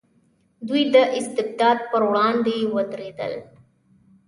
دوی د استبداد پر وړاندې ودرېدل.